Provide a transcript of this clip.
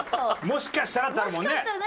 もしかしたらってあるもんね。